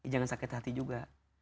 jangan sakit hati juga